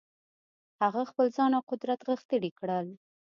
هغه خپل ځان او قدرت غښتلي کړل.